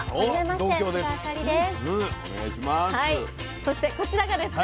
そしてこちらがですね